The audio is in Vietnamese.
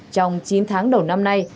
trong chín tháng đầu năm nay